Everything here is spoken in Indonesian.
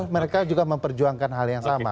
mereka juga memperjuangkan hal yang sama